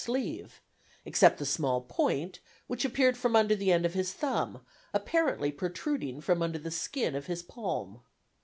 's sleeve, except the small point which appeared from under the end of his thumb, apparently protruding from under the skin of his palm.